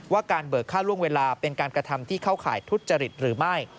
การเบิกค่าล่วงเวลาเป็นการกระทำที่เข้าข่ายทุจริตหรือไม่